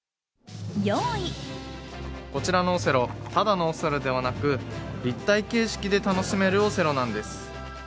こちらのオセロ、ただのオセロではなく、立体形式で楽しめるオセロなんです。